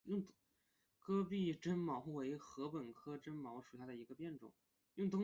戈壁针茅为禾本科针茅属下的一个变种。